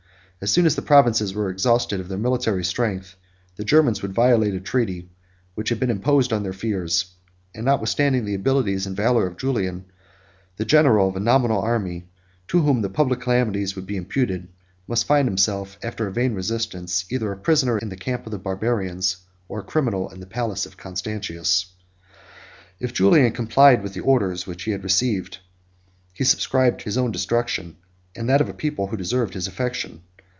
As soon as the provinces were exhausted of their military strength, the Germans would violate a treaty which had been imposed on their fears; and notwithstanding the abilities and valor of Julian, the general of a nominal army, to whom the public calamities would be imputed, must find himself, after a vain resistance, either a prisoner in the camp of the barbarians, or a criminal in the palace of Constantius. If Julian complied with the orders which he had received, he subscribed his own destruction, and that of a people who deserved his affection.